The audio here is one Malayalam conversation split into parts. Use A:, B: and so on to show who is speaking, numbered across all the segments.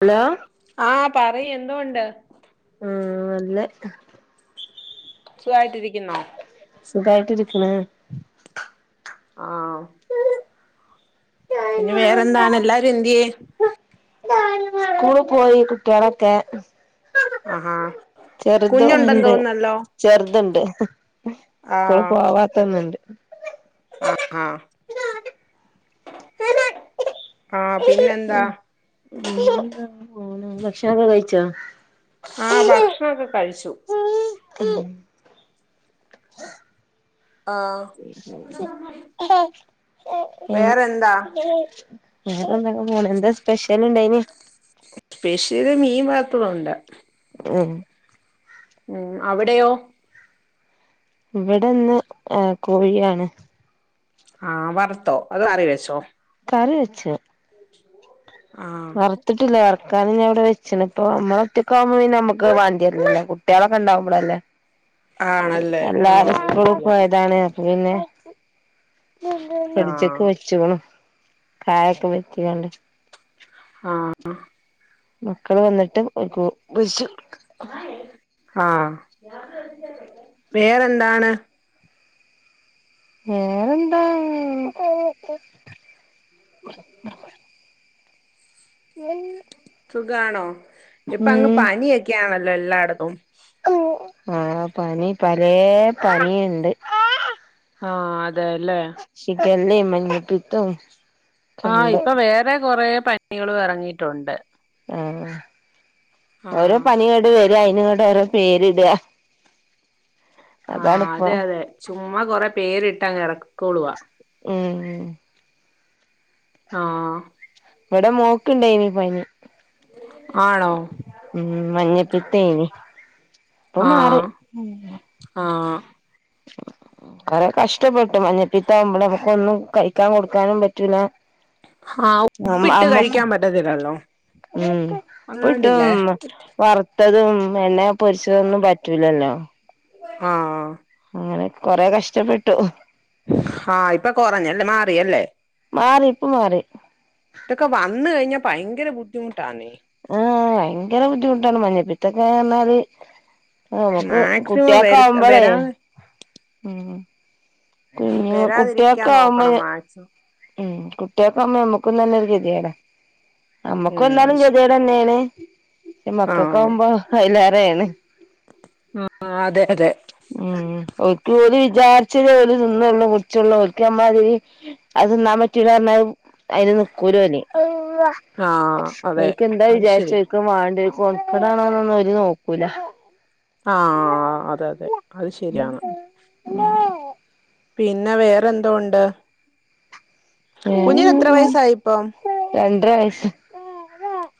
A: ഹലോ
B: ആഹ് പറീ എന്തുണ്ട്
A: നല്ലേ
B: സുഖായിട്ടിരിക്കുന്നോ
A: സുഖായിട്ടിരിക്ക്ണ്
B: ആഹ് പിന്നെ വേറെന്താണ് എല്ലാരും എന്ത്യേയെ
A: സ്കൂള് പോയി കുട്ട്യോളൊക്കെ
B: ആഹാ
A: ചെറുതവിടെ
B: കുഞ്ഞുണ്ടെന്ന്
A: ഇണ്ട്
B: തോന്നുന്നല്ലോ
A: ചെറ്ത്ണ്ട് സ്ക്കൂൾ
B: ആഹ്
A: പോവാത്തെന്ന്ണ്ട്
B: ആഹ് ആഹ് ആഹ് പിന്നെന്താ
A: ഭക്ഷണം ക്കെ കഴിച്ചോ
B: ആഹ് ഭക്ഷണൊക്കെ കഴിച്ചു
A: ക്ക്
B: ആഹ്
A: [unintelligible]
B: വേറെന്താ
A: വേറന്താ ങ്ങനെ പോണ് എന്താ സ്പെഷ്യൽ ഇണ്ടായി നെ
B: സ്പെഷ്യല് മീൻ വറുത്തതുണ്ട്
A: ഉം
B: ഉം അവിടെയോ
A: ഇവിടെ ഇന്ന് ആഹ് കോഴിയാണ്
B: ആഹ് വറുത്തോ അത് കറി വെച്ചോ
A: കറി വെച്ചു
B: ആഹ്
A: വറ് ത്ത്ട്ട്ല്ല വറക്കാന് ഞാ ഔടെ വെച്ച്ണ് ഇപ്പ നമ്മള ഒറ്റക്കാവുമ്പോ പിന്നെ നമ്മക്ക് വാണ്ടിയ ര് ല്ലല്ലോ കുട്ടിയൊളൊക്കെ ണ്ടാവുമ്പളല്ലേ
B: ആണല്ലേ ആഹ്
A: എല്ലാരു
B: അത്
A: സ്കൂള്
B: ശരിയാ
A: പോ താണ് അപ്പ പിന്നെ ഫിഡ്ജ് ക്ക്
B: ആഹ്
A: വെച്ച് ണ് കായക്കെ വെര്ട്ടിക്കാണ്ട്
B: ആഹ്
A: മക്കള് വന്നിട്ട് ഓൽക്ക് പെര്ച്ചൊട്ക്കാ
B: ആഹ് വേറെന്താണ്
A: വേറെന്താ കുക്ക മ
B: സുഖാണോ ഇപ്പ അങ്ങ് പനിയൊക്കെയാണല്ലോ എല്ലായിടത്തും
A: ആഹ് പനി പലേ പനിയുണ്ട്
B: ആഹ് അതെല്ലേ
A: ഷിഗല്ലേ മഞ്ഞപ്പിത്തോം
B: ആഹ് ഇപ്പൊ വേറെ കൊറെ പനികളും എറങ്ങിയിട്ടുണ്ട്
A: ഉം ഓരോ
B: ആഹ്
A: പനിങ്ങട് വെര ക അയിനിങ്ങട് ഓരോ പേരിടാ
B: ആഹ് അതെ അതെ ചുമ്മാ കൊറെ പേരിട്ടങ്ങറക്കിക്കോളുവാ
A: ഉം
B: ആഹ്
A: ഇവടെ മോക്ക്ണ്ടേയിനി പനി
B: ആണോ
A: ഉം മഞ്ഞപ്പിത്തേനി ഇപ്പൊ മാറി
B: ആഹ് ആഹ്
A: കൊറേ കഷ്ട്ടപ്പെട്ടു മഞ്ഞപ്പിത്താവുമ്പളെ നമ്മക്കൊന്നും കഴിക്കാൻ കൊടുക്കാനും പറ്റൂല
B: ആഹ്
A: അമ്മ
B: ഉപ്പിട്ട്
A: അമ്മക്കും
B: കഴിക്കാൻ പറ്റത്തില്ലല്ലോ
A: ഉം ഉപ്പിട്ടും
B: അങ്ങാണ്ടില്ലേ
A: വർ ട്ടതും എണ്ണേ പൊരിച്ചതൊന്നും പറ്റൂല്ലല്ലോ
B: ആഹ്
A: അങ്ങനെ കൊറെ കഷ്ട്ടപ്പെട്ട്
B: ആഹ് ഇപ്പ കൊറഞ്ഞല്ലേ മാറിയല്ലേ?
A: മാറി ഇപ്പം മാറി
B: ത്തൊക്കെ വന്ന് കഴിഞ്ഞാ ഭയങ്കര ബുദ്ധിമുട്ടാന്നെ
A: ഉം ഭയങ്കര ബുദ്ധിമുട്ടാണ് മഞ്ഞപ്പിത്തൊക്കെ പറഞ്ഞാല് ആഹ് നമ്മക്ക്
B: മാക്സിമം വരു
A: കുട്ട്യേക്കാവുമ്പളേ
B: വരാതെ
A: ഉം കുഞ്ഞുങ്ങ
B: വെരാതിരിക്കാൻ
A: കുട്ടികൾക്ക് ആവുമ്പോ
B: നോക്കണം മാക്സിമം
A: ഉം കുട്ട്യേക്കാവുമ്പോ നമ്മക്കും തന്നെ ഒരു ഗത്യേടാ അമ്മക്ക്
B: ഉം
A: വന്നാലും ഗത്യേട തന്നെയാണ് [unintelligible]
B: ആഹ്
A: മക്കക്കാവുമ്പോ അയ്ലേറെയാണ്
B: ആഹ് അതെ അതെ
A: ഉം ഓലിക്ക് ഓര് വിചാരിച്ചതെ ഓര് തിന്നൊള്ളൂ കുടിച്ചൊള്ളൂ ഓലിക്ക് നമ്മളമാതിരി അത് തിന്നാൻ പറ്റൂല പർഞ്ഞാ അയിന് നിക്കൂലോല്
B: ആഹ് അതെ
A: ഓര്ക്ക് എന്താ
B: അത് ശരിയാ
A: വിചാരിച്ചരിക്കും വാണ്ട കൊതക്കടാണോനൊന്നും ഓര് നോക്കൂല
B: ആഹ് അത അതെ അത് ശരിയാണ് പിന്നെ വേറെന്തോ ഒണ്ട് കുഞ്ഞിന് എത്ര വയസായിപ്പം
A: രണ്ടര വയസ്സ്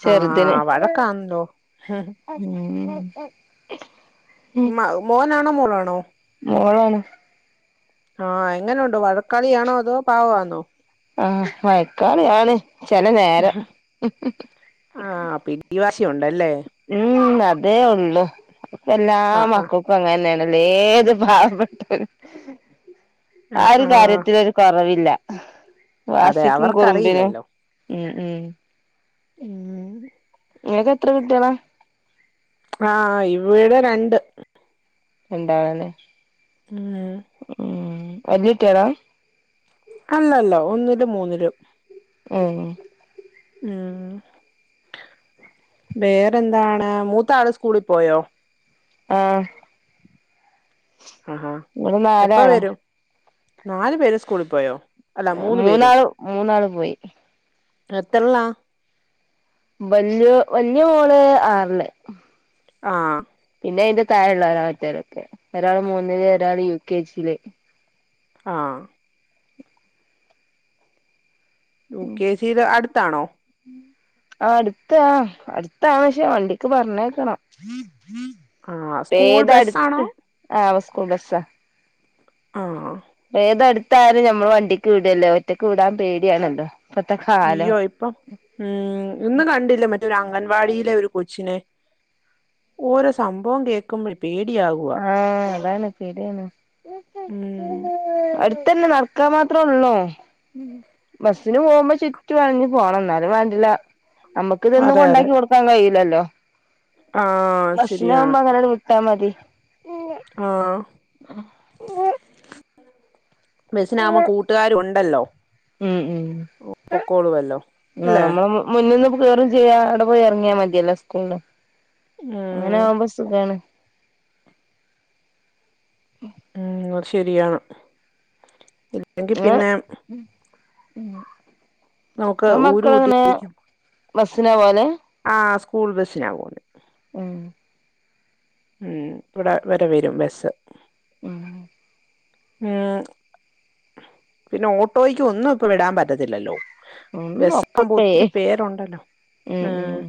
A: ചെറ്തിന്
B: ആഹ് വഴക്കാണല്ലോ
A: ഉം
B: മ മോനാണോ മോളാണോ
A: മോളാണ്
B: ആഹ് എങ്ങനെ ഒണ്ട് വഴക്കാളി ആണോ അതോ പാവവാന്നോ?
A: ആഹ് വഴക്കാളിയാണ് ചെല നേരം
B: ആഹ് പിടി വാശി ഒണ്ടല്ലേ?
A: ഉം അതേ ഒള്ളു ഇപ്പ എല്ലാ
B: ആഹ് ആഹ്
A: മക്കക്കു ഇപ്പങ്ങനെ ആണ്ല്ലേ ഏത് പാവപ്പെട്ട ആ
B: ആഹ്
A: ഒര് കാര്യ
B: ആഹ്
A: ത്തിലൊര് കൊറവില്ല
B: അതെ
A: വാശിക്കും കുറുമ്പിനും
B: അവർക്കറിയില്ലല്ലോ
A: ഉം ഉം
B: ഉം
A: ഇങ്ങക്ക് എത്ര കുട്ട്യേളാ?
B: ആഹ് ഇവിടെ രണ്ട്
A: രണ്ടാണ്
B: ആഹ്
A: ഉം വല്ല്യ കുട്ട്യോളാ?
B: അല്ലല്ല ഒന്നിലും മൂന്നിലും
A: ഉം
B: ഉം വേറെന്താണ് മൂത്താള് സ്കൂളി പോയോ
A: ആഹ്
B: ആഹാ
A: ഇവിടെ
B: എപ്പ
A: നാലാളാ
B: വരും നാല് പേര് സ്കൂളി പോയോ അല്ല മൂന്ന് പേരും
A: മൂന്നാളും മൂന്നാള് പോയി
B: എത്തർള
A: വല്യ വല്യ മോള് ആറില്
B: ആഹ
A: പിന്നെ അതിന്റെ താഴെള്ളേരാ മറ്റൊലൊക്കെ ഒരാൾ മൂന്നില് ഒരാള് യു കെ ജില്
B: ആ യൂ കെ ജില് അടുത്താണോ
A: ആ അട്ത്ത് ആ അട്ത്താ പക്ഷേ വണ്ടിക്ക് പറഞ്ഞേക്കണം
B: ആഹ് സ്കൂൾ
A: അടുത്ത്
B: ബസ്സാണോ
A: ആ സ്കൂൾ ബസ്സാ
B: ആഹ
A: ഏതട്ത്തായാലും ഞമ്മൾ വണ്ടിക്ക് വിടല്ലോ ഒറ്റക്ക് വിടാൻ പേടിയാണല്ലോ ഇപ്പത്തെ കാലം
B: ഇയ്യോ ഇപ്പം ഉം ഇന്ന് കണ്ടില്ലേ മറ്റൊരു അംഗൻവാടിയിലെ ഒരു കൊച്ചിനെ ഓരോ സംഭവം കേക്കുമ്പോയെ പേടിയാവും
A: ആഹ അതാണ് പേടിയാണ്
B: ഉം
A: അടുത്തന്നെ നട ക്ക മാത്രേള്ളൂ ബസിന് പോകുമ്പോ ചുറ്റു വളഞ്ഞ് പോണം എന്നാലും വേണ്ടില്ല നമ്മുക്ക് ഇതൊന്നും
B: അതെ അതെ
A: കൊണ്ടാക്കി കൊടുക്കാൻ കഴിയില്ലല്ലോ
B: ആഹ്
A: ബസിന്
B: ശരിയാണ്
A: ആവുമ്പോ അങ്ങനെ വിട്ട ട്ടാമതി
B: ആഹ ബസ്സിനാവുമ്പോ കൂട്ടുകാരും ഉണ്ടല്ലോ
A: ഉം ഉം
B: പൊക്കോളുവല്ലോ
A: ആ
B: അല്ലേ
A: നമ്മള മുന്ന്ന്ന് കയറും ചെയ്യ അവിടെ പോയി ഇറങ്ങിയാൽ മതിയല്ലേ സ്കൂളില് അങ്ങനെ
B: ഉം
A: ആകുമ്പോ സുഖാണ്
B: ഉം അത് ശരിയാണ് ഇല്ലെങ്കി
A: ഇങ്ങള്
B: പിന്നെ നമുക്ക്
A: ഇങ്ങളെ
B: ഊരു
A: മക്കൾ അങ്ങനെ ബസ്സിന പോവൽ
B: ആ സ്കൂൾ ബസിനാ പോവുന്നത്
A: ഉം
B: ഉം ഇവിടെ വരെ വരും ബസ്
A: ഉം
B: ഉം പിന്നെ ഓട്ടോയ്ക്ക് ഒന്നും ഇപ്പൊ വിടാൻ പറ്റത്തില്ലല്ലോ
A: ഒന്നും
B: ബസ്സ്
A: ഒക്കെ
B: ആകുമ്പോ
A: പേ
B: ഒത്തിരി പേരുണ്ടല്ലോ ഉം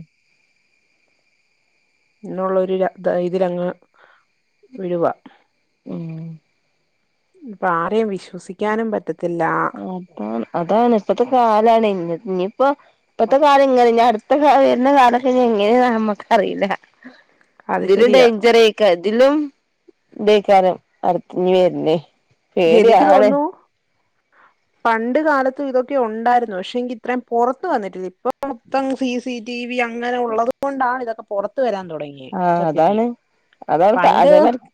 B: ന്നുള്ളൊരു ഇതിലങ്ങ് വിടുവാ
A: ഉം
B: ഇപ്പൊ ആരെയും വിശ്വസിക്കാനും പറ്റത്തില്ല
A: അതാണ് അതാണ് ഇപ്പത്തെ കാലാണ് ഇ ഇനിയിപ്പോ ഇപ്പത്തെ കാലം ഇങ്ങനെ ഇഞ്ഞ അടുത്ത കാലം വരുന്ന കാലം ക്കെ ഇഞെങ്ങനെയ നമ്മക്കറില്ല
B: അത്
A: ഇതിലും
B: ശരിയാ
A: ഡേഞ്ചറക്ക ഇതിലും ദേക്കാരം അടുത്തെ ഇഞ്ഞിവരുന്നേ
B: എനിക്ക് തോന്നുന്നു പണ്ട് കാലത്തും ഇതൊക്കെ ഉണ്ടായിരുന്നു പക്ഷെ എങ്കി ഇത്രയും പുറത്ത് വന്നിട്ടില്ല ഇപ്പ മൊത്തം സീ സി ടി വി അങ്ങനെ ഉള്ളത് കൊണ്ടാണ് ഇതൊക്കെ പുറത്ത് വരാൻ തുടങ്ങിയി യെ
A: ആഹ്
B: സത്യത്തി
A: അതാണ് അതാണ്
B: പണ്ട്
A: അതേമാതിരി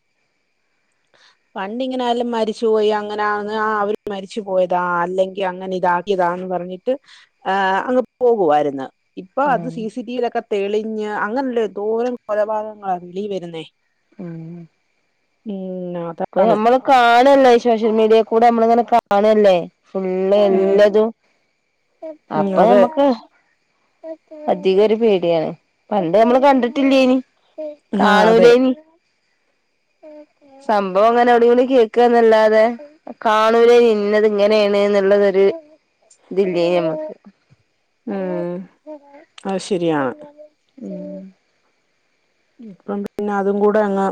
B: പണ്ടിങ്ങനെ ആലും മരി പോയി അങ്ങനെ ആന്ന് അവര് മരിച്ചു പോയതാ അല്ലെങ്കിൽ അങ്ങനെ ഇതാക്കിയതാന്ന് പറഞ്ഞിട്ട് ആ അങ്ങ് പോകുവായിരുന്നു ഇപ്പൊ അത്
A: ഉം
B: സിസി ടിവിയിലൊക്കെ തെളിഞ് അങ്ങനെയല്ലേ എന്തോരം കൊലപാതങ്ങളാ വെളി വരുന്നേ
A: ഉം
B: ഉം ന
A: ഇപ്പം നമ്മള് കാണല്ലേ ഈ ശോഷ്യൽ മീഡിയെകൂടെ നമ്മളിങ്ങനെ കാണല്ലേ ഫുള്ള്
B: ഉം
A: എല്ലതും.
B: ഉം
A: അപ്പം
B: അതെ
A: ഞമ്മക്ക് അധികൊര് പേടിയാണ്. പണ്ട് നമ്മള് കണ്ടിട്ടില്ലേനി
B: ആ അതെ
A: കാണൂലേനി. സംഭവം ഇങ്ങനെ അവ്ടിംബടീം കേക്കാന്നല്ലാതെ. കാണൂല്ലേനി. ഇന്നത് ഇങ്ങനേണ് ന്നുള്ളതൊര് ഇത് ഇല്ലേനി ഞമ്മക്ക്.
B: ഉം അത് ശരിയാണ്
A: ഉം
B: ഇപ്പം പിന്നെ അതും കൂടെ അങ്ങ്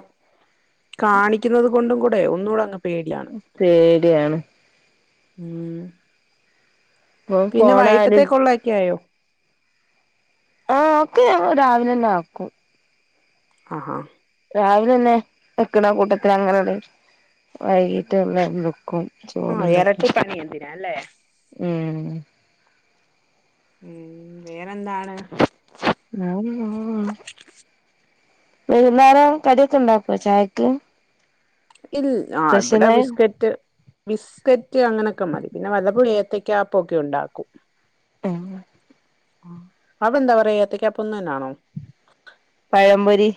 B: കാണിക്കുന്നത് കൊണ്ടും കൂടെ ഒന്നൂടെ അങ്ങ് പേടിയാണ്
A: പേടിയാണ്.
B: ഉം
A: ഇപ്പൊ
B: പിന്നെ
A: ഫോണാരും
B: വൈകിട്ടത്തേക്കുള്ളയൊക്കെ ആയോ?
A: ആഹ് ഒക്കെ ഞാൻ രാവിലെന്നെ ആക്കും.
B: ആഹാ.
A: രാവിലെന്നെ വെക്ക്ണ കൂട്ടത്തിലങ്ങനട് വൈകീട്ട്ള്ളതും വെക്കും.
B: ആഹ്
A: ചോറുണ്ടാക്കാൻ
B: എരട്ടി പണി എന്തിനാ അല്ലേ
A: ഉം
B: ഉം വേറെന്താണ്?
A: വൈന്നേരം കട്യൊക്കെണ്ടാക്കോ ചായക്ക്?
B: ഇൽ ആഹ് ഇബടെ
A: സ്പെഷ്യലായി
B: ബിസ്കറ്റ് ബിസ്കറ്റ് അങ്ങനെയൊക്കെ മതി. പിന്നെ വല്ലപ്പോഴും ഏത്തക്ക്യാപ്പൊക്കെ ഉണ്ടാക്കും.
A: ഏഹ്
B: ആഹ്. അവിടെന്താ പറയാ, ഏത്തക്കാപ്പംന്ന് ന്നാണോ?
A: പഴംപൊരി.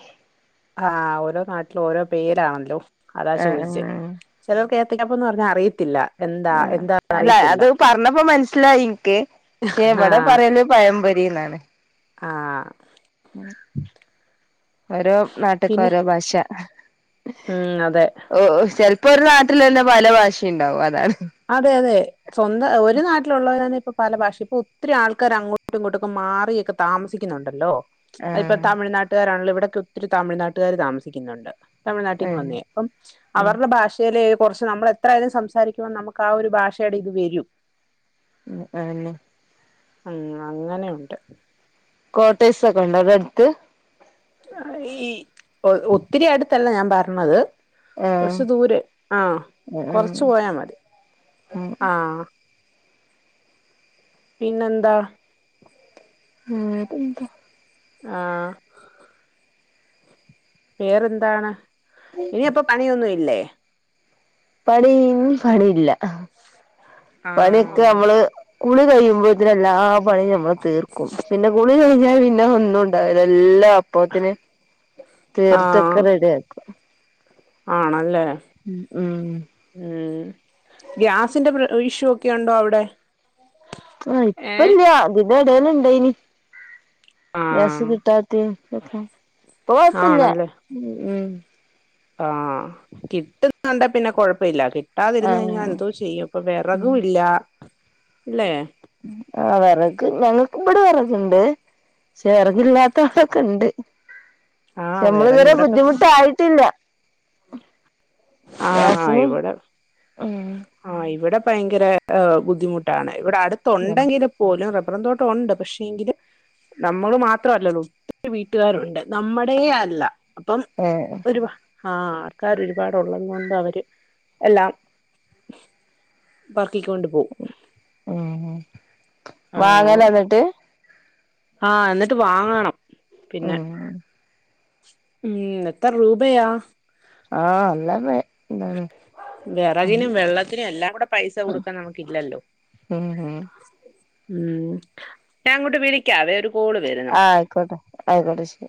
B: ആഹ് ഓരോ നാട്ടിലും ഓരോ പേരാണല്ലോ അതാ
A: ആഹ്
B: ചോയ്ച്ചേ
A: ആഹ്
B: ചെലോർക്ക് ഏത്തക്കാപ്പംന്ന് പറഞ്ഞാ അറിയത്തില്ല. എന്താ
A: ആഹ്
B: എന്താന്ന്
A: അല്ല
B: അറിയത്തില്ല
A: അതഹ് പറഞ്ഞപ്പം മൻസ്സിലായി ഇൻക്ക്. പക്ഷെ ഇവടെ
B: ആഹ്
A: പറയല് പഴംപൊരീന്നാണ്.
B: ആഹ്
A: ഉം ഓരോ നാട്ട്ക്ക്
B: പിന്നെ
A: ഓരോ ഭാഷ
B: ഉം അതെ
A: ഒഒഹ് ചെൽപ്പൊരു നാട്ടിലെന്നെ പല ഭാഷീണ്ടാവും അതാണ്.
B: അതെയതെ. സ്വന്ത ഒരു നാട്ടിലുള്ളവരാന്നെ ഇപ്പൊ പല ഭാഷ. ഇപ്പൊ ഒത്തിരി ആൾക്കാർ അങ്ങോട്ടും ഇങ്ങോട്ടു ഒക്കെ മാറിയൊക്കെ താമസിക്കുന്നുണ്ടല്ലോ.
A: ആ
B: ആഹ് യിപ്പൊ തമിഴ്നാട്ടുകാരാണല്ലോ, ഇവിടൊക്കെ ഒത്തിരി തമിഴ്നാട്ടുകാര് താമസിക്കുന്നുണ്ട്.
A: ആ
B: തമിഴ്നാട്ടിന്ന് വന്നെയാ. അപ്പം
A: ആ
B: അവർടെ ഭാഷയില് കൊറച്ച് നമ്മൾ എത്രായാലും സംസാരിക്കുമ്പോ നമു ക്കാ ആ ഒരു ഭാഷയുടെ ഇത് വെരും.
A: ഉം അതന്നെ.
B: ഉം അങ്ങനെയുണ്ട്.
A: കോട്ടേഴ്സൊക്കെ ണ്ടോ അവ്ടെ അട്ത്ത്?
B: ഈ ഒ ഒത്തിരി അടുത്തല്ല ഞാൻ പർഞത്.
A: ആ
B: കൊറച്ച് ദൂരെ. ആഹ്.
A: ആ
B: കൊറച്ച് പോയാ മതി.
A: ആ
B: ആഹ്. പിന്നെന്താ?
A: വേറെന്താ.
B: ആഹ്. വേറെന്താണ്? ഇനിയപ്പ പണിയൊന്നും ഇല്ലേ?
A: പണി, ഇ ഞ്ഞ് പണില്ല. പണിയൊക്കെ
B: ആഹ്
A: നമ്മള് കുളി കഴിയുമ്പോത്തിന് എല്ലാം പണിം നമ്മള് തീർക്കും. പിന്നെ കുളി കഴിഞ്ഞാ പിന്നെ ഒന്നും ണ്ടാവൂല. എല്ലാം അപ്പോത്തിന് തീർത്തൊക്കെ
B: ആഹ്
A: റെഡി ആക്കും.
B: ആണല്ലേ. ഉം. ഗ്യാസിന്റെ പ്ര ഇഷ്യൂ ഒക്കെ ഉണ്ടോ അവിടെ?
A: ആഹ് ഇപ്പ
B: ഏഹ്
A: ഇല്ലാ ഇതിനെടേല് ഇണ്ടേയിനി ഗ്യാസ്
B: ആഹ്
A: കിട്ടാത്തെയും ഒക്കെ- ഓഹ് ഇപ്പോ ഇല്ല
B: ആണല്ലേ
A: ഉം
B: ആഹ് കിട്ടുന്നുണ്ടേ പിന്നെ കൊഴപ്പില്ല കി ആ കിട്ടാതിരുന്നു കഴിഞ്ഞാൽ
A: ആഹ്
B: എന്തോ ചെയ്യും ഇപ്പൊ വെറകുംയില്ലയില്ലേ
A: ആ വെറക്ക് ഞങ്ങൾക്ക് ഇവിടെ വെറക് ഇണ്ട് ഇച്ചിരി വെറക് ഇല്ലാത്ത ആള് ഒക്കെയിണ്ട്
B: ആഹ്
A: നമ്മള്
B: വിറക്
A: ഇതുവരേം
B: ഇവിടൊക്കെ
A: ബുദ്ധിമുട്ടായിട്ടില്ല
B: ആഹ്
A: ഗ്യാസിന്
B: ഇവിടെ
A: ഉം
B: ആഹ് ഇവിടെ ഭയങ്കര ബുദ്ധിമുട്ടാണ് ഇവിടെ അടുത്തുണ്ടെങ്കിലും- പോലും റബ്ബറ് തോട്ടം ഒണ്ട് പക്ഷേയെങ്കിലും- നമ്മള് മാത്രമല്ല അത് ഒത്തിരി വീട്ടുകാരുണ്ട് നമ്മടേയല്ല അപ്പം
A: ഏഹ്
B: ഒരുവ ആർക്കറിയും ഒരുപാടുള്ളത് കൊണ്ട് അവര് എല്ലാം പർക്കികോണ്ട് പോവും
A: ഉം ഉം ഉം വാങ്ങാല
B: ആഹ്
A: എന്നിട്ട്
B: ആഹ് എന്നിട്ട് വാങ്ങണം പിന്നെ
A: ഉം
B: ഉം എത്ര രൂപയാ
A: ആഹ് എല്ലാം വെ എന്താണ് ഉം
B: വെറകിനും വെള്ളത്തിനും എല്ലാം കൂടെ പൈസ കൊടുക്കാൻ നമുക്ക് ഇല്ലല്ലോ
A: ഉം
B: ഉം ഞാൻ അങ്ങോട്ട് വിളിക്കാവെ ഒരു കോള് വരന്നു
A: ആയിക്കോട്ടെ അയിക്കോട്ടെ ശരി